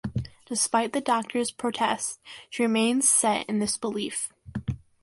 Despite the Doctor's protests, she remains set in this belief.